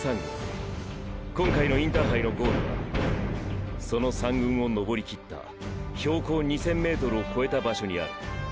今回のインターハイのゴールはその山群を登りきった標高２０００ｍを超えた場所にある。